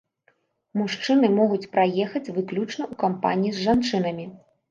Мужчыны могуць праехаць выключна ў кампаніі з жанчынамі.